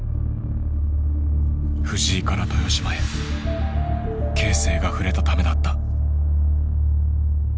藤井から豊島へ形勢が振れたためだった。